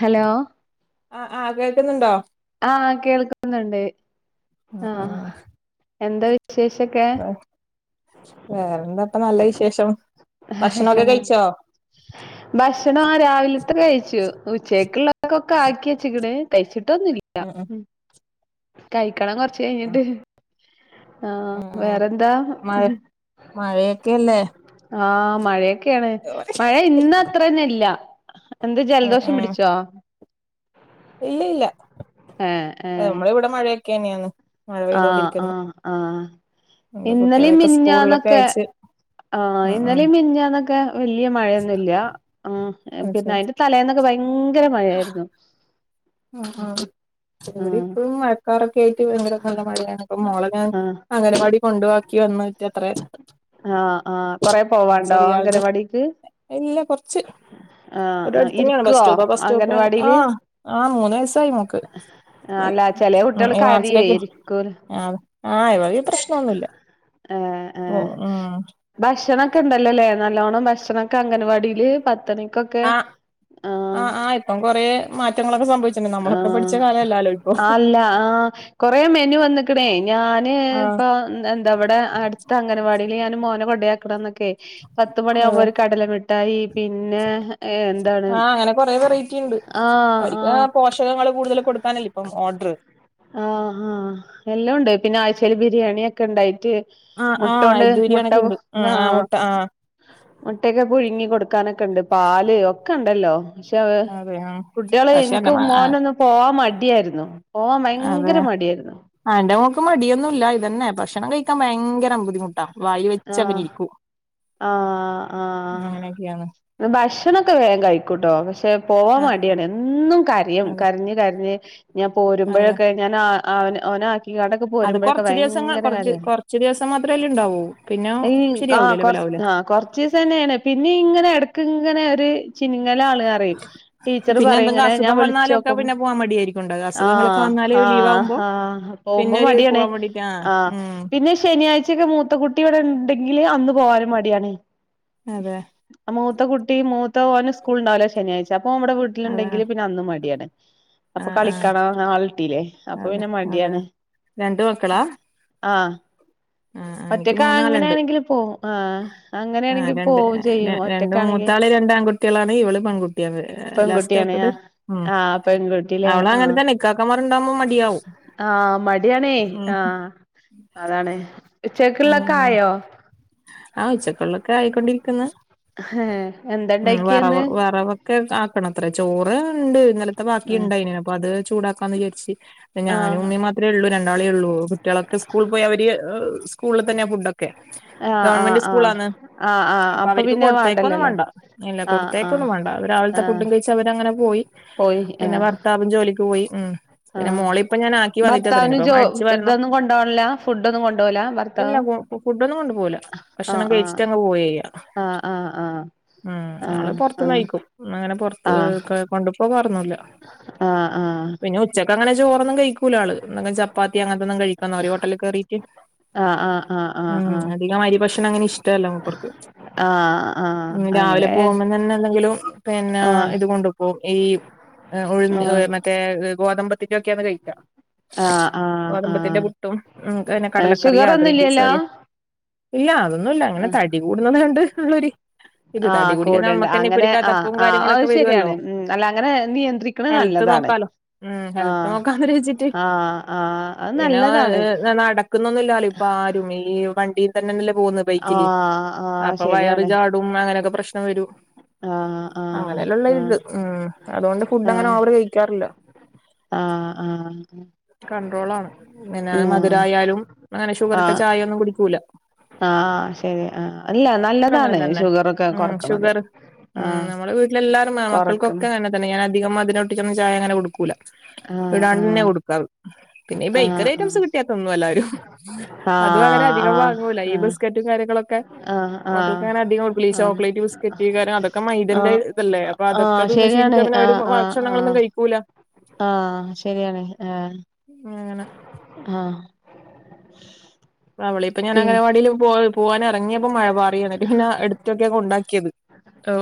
Hello ആ ആ കേൾക്കുന്നുണ്ടോ ആകേൾക്കുന്നുണ്ട് ഉം ആ ഉം എന്താ വിശേഷൊക്കെ വേറെന്താപ്പ നല്ല വിശേഷം ഭക്ഷണൊക്കെ കഴിച്ചോ ഭക്ഷണം ആ രാവിലെ കഴിച്ചു ഉച്ചക്കുള്ളക്കൊക്കെ ആക്കിച്ചിക്കണ് കഴിച്ചിട്ടൊന്നുംല്ല ഉം ഉം കഴിക്കണം കൊറച്ച് കഴിഞ്ഞിട്ട് ആ ഉം ആ ഉം വേറെന്താ മഴ മഴയൊക്കെയല്ലേ ആഹ മഴയൊക്കെയാണ് മഴ ഇന്ന് അത്ര തന്നെ ഇല്ല എന്താ ഉം ജലദോഷം ഉം പിടിച്ചോ ഇല്ല ഇല്ല ഏഹ് നമ്മള ഇവിടെ മഴയൊക്കെ തന്നെയന്ന് ആഹ ആഹ ആഹ ഇന്നലി കുട്ടികളെയൊക്കെ സ്കൂളിലൊക്കെ മിനിഞ്ഞാന്നൊക്കെ അയച്ച് ആഹ ഉം ഉം ഇന്നലെ മിനിഞന്നൊക്കെ വലിയ മഴയൊന്നുമല്ല ആ അത് പിന്നെ ശരി അയിന്റെ തലേന്നൊക്കെ ഭയങ്കര മഴയായിരുന്നു ഉ ആ ഇവിടെ ആഹ് ഇപ്പോ മഴക്കാറൊക്കെ ആയിട്ട് ഭയങ്കര നല്ല മഴയാണ് ഇപ്പ മോളെ ഞൻ ആഹ് അംഗനവാടി കൊണ്ടുവാക്കി വന്നിട്ട് അത്ര ആഹ ആഹ കൊറെ പോവാണ്ടോ അംഗനവാടിക്ക് കെറച്ച് ആഹ് ആഹ് ഇവിടെഅടുത്ത് തന്നെയാണ് ഇരിക്കുവോ ബസ്‌റ്റോപ്പ് അംഗൻവാടിയില് ബസ്റ്റോപ്പ്ആ മൂന്ന വയസായി മോള്ക്ക് അല്ല ചെല കുട്ടികള് ഈ കരയേ മാർച്ചിക്ക്ആ ഏ ഉം ഭക്ഷണം ഒക്കെ ഉണ്ടല്ലോല്ലേ നല്ലോണം ഭക്ഷണം ഒക്കെ അംഗൻവാടിയില് പത്തര ആ് ആ ആ ഇപ്പം കൊറ മാറ്റങ്ങളൊ നമ്മളക്കെ പഠിച്ച കാലല്ലാലോ ആ അല്ല ആ കൊറെ മെനു വന്നക്കണേ ഞാന് ആഹ് ഇപ്പ എന്താവിടെ അടുത്ത അംഗൻവാടിൽ ഞാന് മോന കൊണ്ടോ യാക്കി ക്കി പത്ത്‌മണിയാകുമ്പോ അതെ ഒരു കടലമിട്ടായി പിന്നെ എന്താണ് ആഹ് അങ്ങനെ കൊറേ വെറൈറ്റി ഇണ്ട് ആഹ ആഹ അവര്ക്ക് പോഷകങ്ങള് കൂടുതൽ കൊടുക്കാനല്ലേ ഇപ്പം ഓർഡർ ആ ആഹ എല്ലാം ഉണ്ട് പിന്നെ ആഴ്ചയിൽ ബിരിയാണി ഒക്കെഉണ്ടായിട്ട് ആഹ് മുട്ട ആഹ് കൊണ്ട് എഗ്ഗ് മുട്ട ബിരിയാണിയൊക്കെണ്ട് ഉം ആ മുട്ട ആഹ് മുട്ടക്കെ പുഴുങ്ങി കൊടുക്കാനൊക്കെ ഉണ്ട് പാല് ഒക്കെ ഉണ്ടല്ലോ പക്ഷെ അതെ ആഹ് കുട്ടികളെ പക്ഷെ എന്റെ മ ആ മോനൊന്ന് പോവാൻ മടിയായിരുന്നു പോവാൻ അതെ ഭയങ്കര മടിയായിരുന്നു എന്റെ മോള്ക്ക് മടിയൊന്നുംല്ല ഇതന്നെ പക്ഷ ഭക്ഷണം കഴിക്കാ ഭങ്കര ബുദ്ധിമുട്ടാണ് ആഹ ആഹ ആഹ അങ്ങനെയൊക്കെയാണ് ഭാഷ ഭക്ഷണമൊക്കെ വേഗം കഴിക്കോട്ടോ പക്ഷേ പോവാാൻ ആ മടിയാണ് എന്നും കരയും അതെ കരഞ്ഞ് കരഞ്ഞ് ഞാൻ അതെ പോരുമ്പോഴൊക്കെ ഞാൻ അവ അവൻ ഒനെ അത് അക്കിങ്ങാട്പോരുമ്പോഴക്കെ കൊറച്ച് ദിവസങ്ങൾ ഭയങ്കര കൊറച്ച് കരിൽ കൊറച്ച് ദിവസം മാത്രമല്ലേ ഉണ്ടാവൂ പിന്നെ ഈ ആ് ശരിയാവൂലല്ലോ കൊറ ഇവലാവൂലേ ആ കൊറച്ച് ദിവസം തന്നെയാണ് പിന്നെ ഇങ്ങനെ ഇടക്ക് ഇങ്ങനെ ഒരു ചിൻ ങ്ങല ആൾ പറയും ടീച്ചറ് പിന്നെ പറയും എന്തെങ്കും ഇങ്ങനെ ഞാൻ അസുഖം വിളിച്ച് വന്നാലൊക്കെ നോക്കുമ്പോ പിന്നെ പോവാൻ മടിയായിരിക്കും ഉണ്ടാക ആ അസുഖങ്ങളൊക്കെ വന്നാല് ലീവ് ആഹ് ആവുമ്പോ ആഹ പിന്നെ പോകുമ്പോ ഒരു മടിയാണ് പോവാൻ വേണ്ടിട്ട് ആ ഉം പിന്നെ ശനിയാഴ്ചൊക്കെ മൂത്ത കുട്ടിയ ഉണ്ടെങ്കിൽ അന്ന് പോവനും മടിയാണ് അതെ മൂത്ത കുട്ടി മൂത്ത മോൻ സ്ക്കൂൾ ഉണ്ടാവില്ല ശനിയാഴ്ചഅപോ അവൻ വിട്ടിൽ അതെ ഉണ്ടകിൽ അന്ന് മടിയാണ് ആ അപ്പൊ ആ കളിക്കണോ ആളിട്ടീല്ലേ അപ്പൊ അതെ പിന്നെ അതെ മടിയാണ് രണ്ട് മക്കളാ ആഹ് ആഹ ആ എനിക്ക് ഒറ്റക്ക് മൂന്നാളുണ്ട് അങ്ങനെയാണെങ്കില് പോവും ആഹ് ആ അങ്ങനെയാണെങ്കി രണ്ട് പോവും ചെയ്യും രണ്ട് ഒറ്റക്കാണെങ്കി മൂത്താൾ രണ്ട് ആൺ ആൺകുട്ടികളാണ് ഇവള് പെൺകുട്ടിയ പെൺകുട്ടിയാണ് ലാസ്റ്റ്ത്തത് ആ ഉ ആ പെൺകുട്ടില്ലേ അവള അങ്ങനെതന്ന ഇക്ക കമാർണ്ടാകുമോ മടിയാവവും ആഹ മടിയണേ ആഹ അതാണ് ഉച്ചക്കുള്ളൊക്കെ ഉം ആയോ ആ ഉച്ചക്കൊുള്ളൊക്കെ ആയിക്കൊണ്ടിരിക്കുന്നു ഏ ഉ വറവ് എന്താണ്ടാക്കിയന്ന് വറവക്കെ ആക്കണം അത്ര ചോറ് ഉണ്ട് ഇന്നലത്തെ ബാക്കി ആ ഉണ്ടായിതിന അപ്പൊ അത് ചൂടാക്കാന്ന് വിചാരിച്ച് ആ ഞാനും ഉമ്മിമാത്രേ ഉള്ളൂ രണ്ടാളേ ഉള്ളൂ കുട്ടികളൊക്കെ സ്കൂള പോയി അവര് സ്കൂളിൽ തന്നെ ഫുഡൊക്കെ ആ ഗവൺമെന്റ് ആ സ്കൂളാണ് ആ ആ അപ്പൊ അവർക്ക് പിന്നെ കൊടുത്തേക്കൊന്നും വേണ്ടല്ലോല്ലേ വണ്ട ഇല്ല ആ ആ കൊടുത്തേക്കൊന്നും വേണ്ട ആ രാവിലത്തെ ഫുഡും കഴിച്ച്അവര് അങ്ങനെ പോയി പിന്നെ ഭർത്താവും ജോലിക്ക് പോയി ഉ ആഹ ഭർത്താവിന് ഇനിപ്പം ജോ അടിച്ചു വാരണം ഇതൊന്നും കൊണ്ടുപോണില്ല ഫുഡ് ഒന്നും കൊണ്ടുപോല ഭർത്താവ് ഫു, ഫു, ഫുഡ്, ഒന്നും കൊണ്ടു പോവൂല. ആ ഭക്ഷണം ആ കഴിച്ചിട്ട്, അങ് പോവയ്യ, ആ ആ ആ ആം, ആ ആള്, പൊറത്ത്ന്നയിക്കും. ക്, ആ ആ ക, കൊണ്ട്പ്പ, പ്പോവാറൊന്നൂല്ല. അ, ആ. പിന്നെ, ഉച്ചക്ക അങ്ങനെ, ചോറൊന്നും കഴിക്കൂലാള്, എന്തെങ്കി, ചപ്പാത്തി, അങ്ങനത്തെന്തെങ്കിം, കഴിക്കാന്ന് പറയും, ഹോട്ടല്ല്, കേറീട്ട്. ആഹ്, ആഹ്, ആഹ്, ആഹ്, ആ. ഭക്ഷണം, അങ്ങനെ, ഇഷ്ടല്ല, മൂപ്പർക്ക്. ആഹ് ആഹ് രാവിലെ, അങ്ങനെ പോകുമ്പോ, തന്നെ, എന്തെങ്കിലും, പിന്നെ, ആഹ് ഇത്, കൊണ്ട് പോവും, ഈ എ, ഉഴ്ന്ന്, ഉ, ആഹ് മറ്റേ, ഗോതമ്പത്തിന്റെ ഒക്കെയാണ്, കഴിക്ക. ആഹ് ആഹ് ഗോതമ്പത്തിന്റെ, ആഹ് പുട്ടും, ഉം, [unintelligible] ഏഹ് കടലക്കറിയ, ഗ്രീൻപീസ്, ഷുഗറൊന്നുംല്ലല്ലോ കറിയ ഇല്ല, അതൊന്നുല്ല, അങ്ങനെ, ആഹ് തടി, കൂടുന്നത്, കണ്ട് ഉള്ളര് ഇത്, തടി ആഹ് കൂടിക്കഴിഞ്ഞ, കൂടെണ്ട് നമ്മുക്ക്ന്നെ, ഇപ്പൊര്, അങ്ങനെ ആഹ് കെതപ്പും, ആഹ് അത് കാര്യങ്ങളൊക്കെ, ശരിയാണ് വരുവല്ലോ ഉം അല്ല അങ്ങനെ നിയന്ത്രിക്കണ [unintelligible] നല്ലതാണ് നോക്കാലോ, ഉം, ഹെൽത്ത്, ആഹ് നോക്കാന്നൊരു വിചിട്ട്, ആഹ് ആഹ് അത് പിന്നെ, നല്ലതാണ് [unintelligible] നട നടക്കുന്നൊന്നുല്ലല്ലോ, ഇപ്പൊ, ആരും, ഈ, വണ്ടി [unintelligible] തെന്നെന്നല്ലെ, പോവുന്നത്, ബൈക്കില്, ആഹ് ആഹ് അപ്പൊ വയറ് ശരിയാണ് ചാടും, അങ്ങനെയൊക്കെ, പ്രശ്നം വരും. ആഹ് ആഹ് അങ്ങനെല്ലള്ളരിത്, ഉം, അതുകൊണ്ട്, ഫുഡ് അങ്ങനെ, ഓവറ് കഴിക്കാറില്ല. ആ ആ. കൺട്രോളാണ്, പിന്നെ മധുരായാലും, അങ്ങനെ ഷുഗറിട്ട ചായ ഒന്നും കുടിക്കൂല. ആഹ, ആ ശരി, ആ, അല്ല നല്ലതാണ് ഷുഗറൊക്കെ കൊറക്കണത്. ഉം് ആഹ് നമ്മുടെ വീട്ടില എല്ലാരും, മ, മക്കൾക്കൊക്കെ കൊറക്കണം അങ്ങനെതന്നെ, ഞാനധികം, മധുരംട്ടിച്ചൊന്നും, ചായ, അങ്ങനെ, കൊടുക്കൂല. ആഹ് ഇടാണ്ടെന്നെ, ആഹ് കൊടുക്കാറ്, പിന്നെ, ഇ, ആഹ് ബേക്കറി ആഹ് ഐറ്റംസ് കിട്ടിയാത്തിന്നും, എല്ലാരും അതും, അങ്ങനെ, അധികം, വാ [unintelligible] ഈ, ആഹ് ബിസ്ക്കറ്റും, കാര്യങ്ങളൊക്കെ, ആഹ് മക്കൾക്ക്, ആഹ് അങ്ങനെ അധികം കൊടുക്കൂല ഈ, ആഹ് ചോക്ലേറ്റ്, ബിസ്ക്കറ്റ്, കാ രം, അതൊക്കെ മൈധയ് ന്റെയ് ആഹ് ഇതല്ലേ, അപ്പൊ ആഹ് അതൊക്കെ ആഹ് തിന്ന് ശരിയാണ് ശീലിച്ചാപ്പിന്നെ, അവര്, ഭക്ഷണങ്ങളൊന്നും കഴിക്കൂല്ല. ആ, ശരിയാണ്, ആ, അങ്ങനെ ആ. അവളി ഇപ്പൊ, ഞാൻ, പി അങ്ങനവാടിൽ, [unintelligible] പോവാനെറങ്ങിയപ്പോ, മഴ പാറിയാണ്, പിന്നെ എടുത്തൊക്കെയ, കൊണ്ടാക്കിയത്.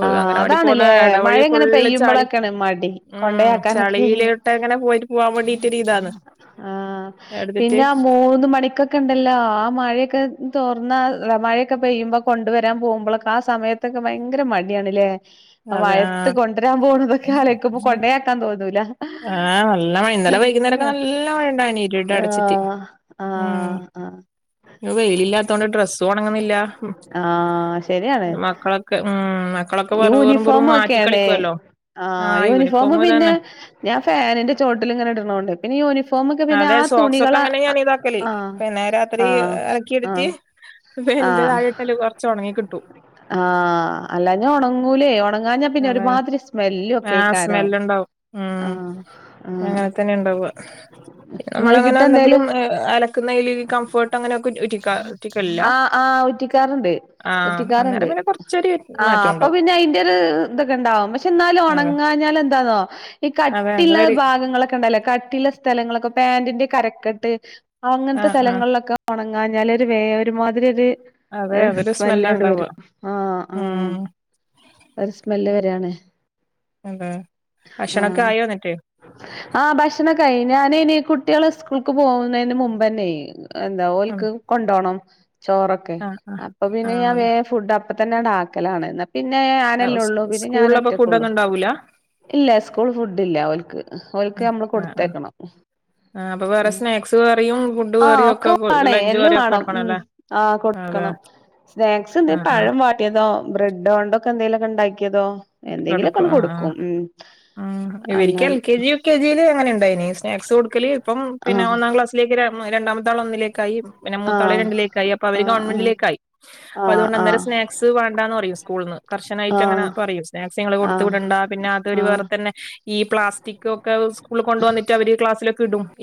ആ, അംഗനവാടി പോകുന്ന അതാണ്ലെ, മഴ, ഇടവഴി ഇങ്ങനെ ഫുള്ള് ചളി പെയ്യുമ്പോഴൊക്കെയാണ് മടി, ഉം കൊണ്ടയാക്കാനൊക്കെ. ചളിയിലോട്ട് അങ്ങനെ പോയിട്ട് പോവാൻ വേണ്ടിട്ടൊരു ഇതാണ് ആ, എടുത്തിട്ട് പിന്നെ, ആ, മൂന്ന് മണിക്കൊക്കെ, ഉണ്ട തല്ല, ആ മഴയൊക്കെ, തോർന്നാൽ, ല്ല മഴയൊക്കെ പെയ്യുമ്പോ, കൊണ്ടുവരാൻ, പോവുമ്പളൊക്കെ, ആ സമയ ഇതൊക്കെ, ഭയങ്കര, മടിയാണ്, ലെ. ആ, മഴത്ത്, കൊണ്ടരാൻ, പോണതൊക്കെ, ആലോയ്ക്കുമ്പൊ, കൊണ്ടയാക്കാൻ, തോന്നൂല. ആഹ്, നല്ല, മഴെ, ഇന്നലെ, വൈകുന്നേരൊക്കെ, നല്ല മഴ ണ്ടായിനിം, ഇരുടടച്ചിട്ട്, ഉം. ആ. വെയിലില്ലാത്തോണ്ട്, ഡ്രസ്സ്, ഉണങ്ങുന്നില്ല, ആഹ് ശരിയാണ് മക്കള [unintelligible] ഉം, മക്കളൊക്കെ, വെറ്, വെറും, വെറും, മാറ്റി യൂണിഫോമൊക്കെയാണ് കളിക്കുവല്ലോ, ആ, ആഹ് യൂണിഫോമ്, പിന്നെ തന്നെ. ഞാൻ, ഫാനിന്റെ, ചോട്ടില്, ഇങ്ങനെ, ഇട്ണോണ്ടയ്, പിന്നെ, യൂണിഫോമൊക്കെ, പിന്നെ, അതെ ആ, തുണികള, അ, ആ അന്നെ, രാത്രി, അലക്കിയിടിട്ട്, ഫേനിന്റെ, ആഹ് താഴെട്ടാല്, കൊറചൊണങ്ങി, കിട്ടൂമ്. ആഹ്, അല്ലാഞ്ഞ, ഉണങ്ങൂലേ, ഉണങ്ങാഞ്ഞാ, പിന്നെ, ഒരുമാതിരി, സ്മെല്ല്, ഒക്കെക്കാരോ. [unintelligible] ലോ. ഉം, അങ്ങനെ, തന്നെ, ണ്ടാവ, നമ്മളങ്ങനെ, വൈകിട്ട് എന്തെങ്കിലും, ഉം, എ, അലക്കുന്നയില്, കംഫേർ ആ, ആ, ഉറ്റിക്കാറ്ണ്ട്. [unintelligible] ആഹ് റ്റിക്കാറുണ്ട്, അന്നേരം പിന്നെ കൊറച്ചൊരു ആ, മാറ്റം അപ്പൊ, ഉണ്ടാവും പിന്നെ, അയിന്റെരു, തൊക്കെണ്ടാവും, പക്ഷെ, ന്നാലും, അതെ ഉണങ്ങാ [unintelligible] ഞ്ഞാലെന്താന്നോ ഈ, അതെ കട്ടിള്ള, അതൊരു ഭാഗങ്ങളൊക്കെ, ണ്ടല്ലോ, കട്ടില്ല, സ്ഥലങ്ങളൊക്കെ, പാാന്റിന്റെക്കെ, അരക്കെട്ട്. അങ്ങനത്തെ, ആഹ് ആഹ് സ്ഥലങ്ങളിലൊക്കെ, ഉണങ്ങാന്നാലൊര്, വേ, ഒരുമാതിരി, ഒരു അതെ എഹ്, അതൊരു സ്മെല്ലാ സ്മെല്ലിങ്ങട്ട്, ഉണ്ടാവ വരും, ആ, ആ, ഉം ഒരു, സ്മെല്ല് [unintelligible] രാണ്. അതെ ആ, ഭക്ഷണൊക്കെ ആയോ എന്നിട്ട് ആ, ഭക്ഷണൊക്കെ, ആയ്, ഞാനനി, കുട്ടി കുട്ടികളെ സ്കൂൾക്ക് പോകുന്നതിന് മുമ്പ്ന്നെ ആഹ് എന്താഓക്ക് കൊണ്ടോണം ചോറൊക്കെ ആഹ് അപ്പൊ പിന്നെ ഞാൻ വേ ആഹ് ഫുഡ് അപ്പ തന്നെ ഡാക്കലാണ് പിന്നെ ആഹ് ആനല്ലേ ഉള്ളു പിന്നെ ഞൻ സ്കൂളിലപ്പോ ഒറ്റക്ക ഉള്ളു ഫുഡൊന്നും ഉണ്ടാവൂല ഇല്ല സ്കൂൾ ഫുഡ് ഇല്ല അവൾക്ക് അവൾക്ക് നമ്മള് കൊടുത്തേക്കണം ആ് അപ്പൊ വേറെ സ്നാക്സ്യറിയും ഫുഡ് കയറിയും ഒക്കെക്കള്ളൂ എല്ലാം വേണം ആ അതെ കൊടുക്കണം സ്നാക്സ് എ ആഹ് ആഹ് പഴം വാട്ടിയതോ ബ്രെഡ് ഇണ്ടൊെ ോ എന്തെങ്കിലും പണം കൊടുക്കും ഉ ഉ ഇവരിക്കും L K G U K ജിയിൽ എങ്ങനെ ഉണ്ടായിനി സ്നാക്സ് കൊടുക്കല് ഇപ്പം പിന്നെ ആഹ് ഒന്നാം ക്ലാസ്സിലേക്ക് രണ്ടാമത്ത ആള ഒന്നിലേക്കായി പിന്നെ മൂത്താള ആഹ് രണ്ടിലേക്കായി അപ്പൊ അവര് ആഹ് ആഹ് ഗവൺമെന്റിലേക്ക ആായി അപ്പൊ ആഹ് അതുകൊണ്ട് ആഹ് അേം സ്നാക്സ് വേണ്ടന്ന് പററ സ്കൂൾന്ന് കർശനട്ട്ങ്ങനെ ആഹ് പറയും ാക്ങ്ങൾ കൊടുു ആഹ് വിടണ്ട പിന്നെ അതൊരു ആഹ് വേറെ തന്നെ ഈ പ്ലാസ്റ്റിക് ഒക്കെ സ്കൂളിൽ കൊണ്ടുവന്നിട്ട് അവര്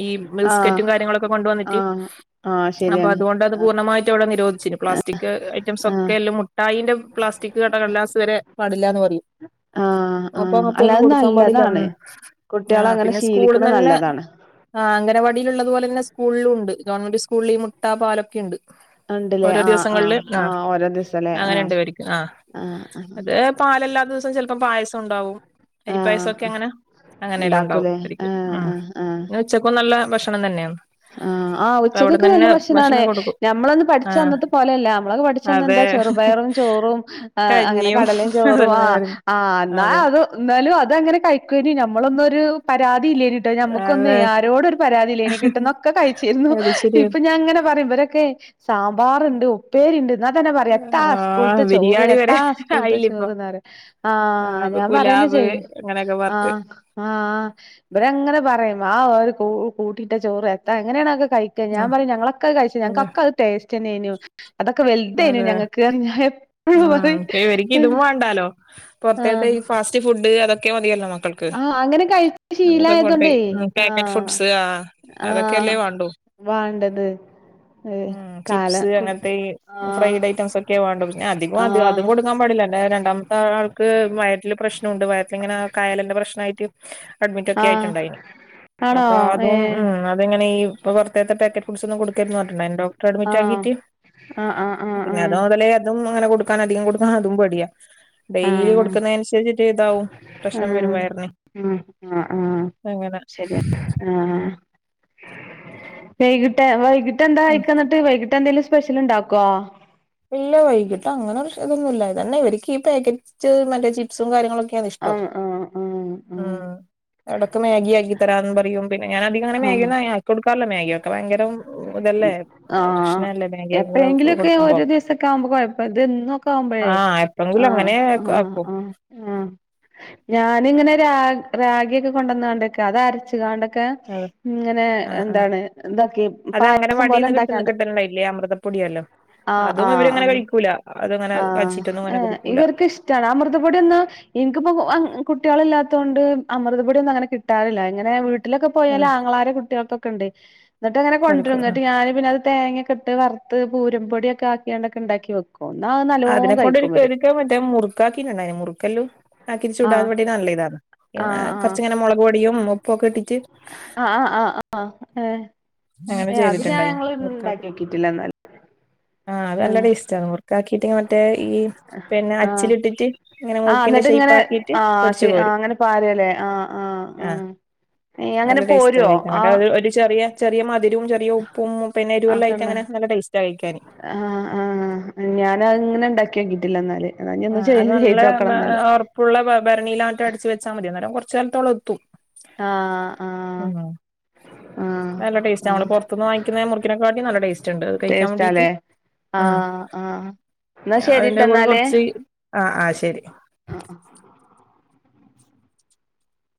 ഇ ആഹ് ബിസ്കറ്റും കാര്യങ്ങളൊക്കെ കൊണ്ടന്നിട്ട് ആഹ് ആഹ് അ ശരിയാണ് അതൊ പ ോിച്ചി പ്ലാസ്റ്റിക് ഐറ്റംസ് ആഹ് ഒക്കെ എല്ലാം മുട്ടായിന്റെ പ്ലാസ്റ്റിക് കടകല്ലാസ് വരെ പാടില്ല എന്ന് പറയും ആഹ് അപ്പൊ ആഹ് അങ്ങത്തെ ഒന്നും അല്ലത് കൊടുക്കാൻ പാടില്ല നല്ലതാണ് ആ കുട്ടികളെ അങ്ങനെ പിന്നെ ശീലിക്കണ സ്കൂളന്ന് തന്നെ നല്ലതാണ് ആ അംഗനവാടിൽള്ളതു പോലെ തന്നെ സ്കൂള ണ്ട് ഗവൺമെന്റ് സ്കൂളിൽഈ മുട്ട പാലൊക്കെ ഉണ്ട് ഉണ്ടല്ലേ ഓരോ ആഹ് ആഹ് ദിവസങ്ങളിൽും ആ ആഹ് ഓരോ ദിവസല്ലേ അങ്ങനെ ആഹ് ഉണ്ടവരിക്കും ആ ആഹ് ആഹ് അത് പാലല്ലാത്ത ദിവസവും ചിലപ്പോ പായസം ഉണ്ടാവും അരിപ്പായസൊക്കെ ആഹ് അങ്ങനെ അങ്ങനെല്ലാം ഉണ്ടാക്കൂലേ ഉണ്ടാവുംരിക്കും ആഹ് ആഹ് ആഹ് ഉനെ ഉച്ചക്കും നല്ല ഭക്ഷണം തന്നെയാണ് ആഹ് ആ അപ്പൊ അവിടെ ഉച്ചക്കൊക്കെ നല്ല തന്നെ ഭക്ഷണണ ഭക്ഷണം കൊടുക്കും ഞമ്മളൊന്ന് ആ പഠിച്ചു തന്നത്തെ പോലെല്ല നമ്മളൊക്കെ പഠിച്ചു തന്ന അതെ എന്താ ചെറുപയറും ചോറുംഅങ്ങനെ കഞ്ഞിയും കടലും ചോറും ആ അതെല്ലാം ആയിരുന്നു. ആ എന്നാൽ അതെ അത് എന്നാലും അത അങ്ങനെ കഴിക്കന നമ്മളൊന്നൊരു പരാതിയില്ലേന കിട്ടോ അത് നമുക്കൊന്നന്ന് ആരോടൊ ഒരു പരാതിയില്ലേക്ക് കിട്ട പൊക്കെ കഴിച്ചിരുന്നു അത് ശരിയാ ഇപ്പൊ ഞാൻ ഇങ്ങനെ പറയുമ്പരൊക്കെ സാമ്പാറുണ്ട് ഉപ്പേരി ഉണ്ട് എന്നാ തന്നെ പറയാ എത്താ ആ അസ്കൂളത്തെ ചോറ് ബിരിയാണി വരെ എത്താ അസ്കൂളത്തെ ആയില്ല ഇപ്പൊ ചോറ്ന്ന പറ ആ അപ്പൊ ഞാൻ പറയ പറയുന്ന പുലാവ് ചെയ്യുംഅ അങ്ങനെയൊക്കെ ആ പറഞ്ഞിട്ട് ആ ആ ഇവരെ അങ്ങനെ പറയുന്ന ആ് ഒരു കൂട്ടയിട്ട ചോറ് എത്താ എങ്ങനെയണൊക്കെ കഴിക്ക ഞാൻ ആ പറയും ഞങ്ങളൊക്ക കഴിച്ച അതെ ഞങ്ങൾക്ക അത് ടസ് ന്നെനു അതൊക്കെ വലുതായിനു അതെ ഞങ്ങൾക്ക് ഞാൻ എപ്പോഴും പറ ഉം ഇപ്പ ഇവർക്ക് ഇതും വേണ്ടാലോ പുറത്തേത്തെ ഈ ഫാസ്റ്റ് ഫുഡ് അതൊക്കെ മതിയല്ലോ മക്ക ആഹ അങ്ങനെ കഴിച്ച ശീലമായതൊണ്ടേ ആ പാക്കറ്റ് ഫുഡ്സ് ആ ആ അതൊക്കെയല്ലേ വേണ്ടു വേണ്ടത് ഏ കാര ്സ് അങ്ങനത്തെ ഈ ഫ്രൈഡ് ഐറ്റംസ് ഒക്കെ വേണ്ട പിന്നെ അധിക അ ആഹ് അതും കൊടുക്കാൻ പാടില്ല രണ്ടാമത്തെ ആ ക്ക് വയട്ട പ്രശ്നമുണ്ട് വയങ്ങനെ കായല പ്രശ്നായിട്ടു അഡ്മിറ്റൊക്കെ ആഹ് ആയിട്ടുണ്ടായി ആണോ അപ്പ അതും ഏഹ് ഉ അതങ്ങനെ അപ്പോ പുറത്തത്തെ പാക്കറ്റ് ഫു്സ് ഒും കൊടുരുന്ന്ഞ്ഞണം അതി ഡോടറെ അഡ്മി ആക്കി ആഹ് ആഹ് ആഹ് പിന്നെ ആഹ് അത മുതലേ അതും അങ്ങനെ കൊടുക്കാൻ അധികം കൊടുക്കൻ അതും പേടിയാ ആഹ് ഡെയിലി ആഹ് കൊടുക്കുന്നനുസരി ചെയ്താവും പ്രശ്നം വരും ആഹ് വയറിന് ആഹ് അങ്ങനെ ആ വൈകിട്ട് വൈകിട്ട് എന്താ കയിക്ക എന്നിട്ട് വൈകിട്ട് എന്തെിലും സ്പെഷ്യൽ ഇണ്ടാക്കോ ഇല്ല വൈകിട്ട് അങ്ങനെ ഇതൊന്നുമ ഇല്ല ഇതന്നെ ഇവർക്ക് ഈ പാക്കറ്റ് മറ്റേ ചിപ്സും കാര്യങ്ങളൊക്കെ ഒക്കെയാ ഇഷ്ടം ആഹ് ആഹ് ആഹ് ആഹ് ഉം എവിടൊക്കെ മാഗ ആി തരാന്ന് പറയും പിന്നെ ഞാന അധികംങ്ങനെ മാഗി ആഹ് ആി കൊടുക്കാറില്ലോ മാഗിയൊക്കെ ഭയങ്കര ല്ലേ ആഹ് പ്രശ്നല്ലേ മാഗി ഒക്കെ എപ്പോഴെങ്കിലുമൊക്കെ കൊടുക്കുമ്പോൾകൊടുക്കുമ്പോ ഓരോ ദിവസൊക്കെ ആവുമ്പോ കുഴപ്പം ഇതന്നൊക്കെ ആവുമ്പോഴേ ആ എപ്പഴെങ്കിലും അങ്ങനെ ആ് ആക്കും ആ് ആ ഞാനിങ്ങനെ രാ രാഗിയ ഒക്കെ കൊണ്ടുവന്ന കാണ്ടക്കെ അത് അരച്ച കണ്ട ക്ക അതെ ഇങ്ങനെ ആഹ് ആഹ് എന്താണ് ഇതൊക്കെ അത് പായസം പോലെ ഇണ്ടാക്കാണ്ട് മതിയല്ലോ ആ ആ ആ വച്ചിട്ടൊന്നും ഏ അങ്ങനെ കുടിക്കൂല ഇവർക്ക് ഇഷ്ടാണ് ആ മൃതപൊടിയൊന്നുംഇൻക് ൻനിക്കിപ്പോ കുട്ടിയാളില്ലാത്തത് കൊണ്ട് അമൃതപൊടിയൊന്നും അങ്ങനെ കിട്ടാറില്ല ഇങ്ങനെ വീട്ടി വീട്ടിലൊക്കെ പോയാല് അതെ ആങ്ങളാരെ കുട്ട്യാൾക്കൊക്കെണ്ട് ന്നിട്ടങ്ങെനെ കൊണ്ടരും ന്നട്ട് കിടക്കും ഞാന് പിന്നത് തേങ്ങ ക്കെട്ട് വർത്ത് പൂരപ്പൊടിയൊക്കെ ആക്കിക്കാണ്ടൊക്കെ ണ്ടാക്കി വെക്കും എന്നാ അത് നല്ലോണം കഴിക്കും ഇവര് അതിനെക്കൊണ്ടെനിക്കൊരിക്കൽ മറ്റേ മുറുക്കാക്കിങ്ങ്ണ്ടായിരുന്നു മുറുക്കൽ രി ചുടാൻ ആഹ് വേണ്ടി നല്ലതാണ് ആഹ് കൊറച്ചിങ്ങനെ മുളക് പൊടും ഉപ്പും ഒക്കെ ഇട്ടി ആ ആ ആ ആ ഏ അങ്ങനെ ഏ അത് ഞാൻ ചെയ്തിട്ടുണ്ടായിന് ഞങ്ങള് മുറുക്കാക്കി ണ്ടാക്കിയോക്കീട്ടില്ലന്നാല് ആ അത് നല്ല ടേസ്റ്റ് ആണ് മുറക്കാക്കിട്ട മറ്റേ ഈ പിന്നെ ആഹ് അച്ചിലിട്ടിട്ട് ഇങ്ങനെ ആഹ് മുർക്കിന്റെ എന്നിട്ട് ഷേ്പ്പാക്കീട്ട് പൊര്ച്ചു കോരും ല്ലേ ആ ആ ആ അങ്ങനെ നല്ല പോരുവോ ആ അതിരും ചെറിയ ഉപ്പും പിന്നെ എരുവെല്ല ആയ്ട്ട്ങ്ങനെ നല്ല ടേസ്റ്റാ കഴിക്കാന് ആ ആ ഞാന് അങ്ങനെ ഉണ്ടാക്കിയോക്കീട്ടില്ലന്നാല് ആ അത് നല്ല ഉറപ്പുള്ള ഭരണിയിലാൺട്ട് അടച്ച് വെച്ചാ മതി അന്നേരം കുറച്ച് കാലത്തോളം എത്തും ആഹ് ആഹ് ഉം ആഹ് നല്ല ടേസ്റ്റാ ആഹ് നമ്മള് പുറത്ത്ന്ന് വാങ്ങിക്കുന്ന മുറുക്കിനെക്കൊട്ടിലും നല്ല ടേസ്റ്റ് ഉണ്ട് അത് കഴിക്കാൻ വേണ്ടീട്ട് ടേസ്റ്റാല്ലേ ആ ആഹ് ആഹ് എന്നാ ശരിട്ട അതിന്റെ കൂടെ എന്നാല് കുറച്ച് ആ ആ ശരി